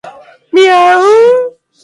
Hautatu beharrak sortzen dituen kezkak.